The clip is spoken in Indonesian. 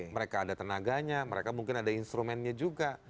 mereka ada tenaganya mereka mungkin ada instrumennya juga